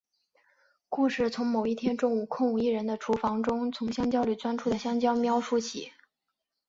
故事从某一天中午空无一人的厨房中从香蕉里钻出的香蕉喵说起。